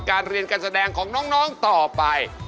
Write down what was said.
การเรียนการแสดงของน้องต่อไป